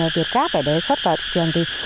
từ các cái đối xuất vào trường thì